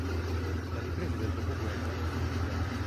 La ripresa del dopo-guerra fu immediata.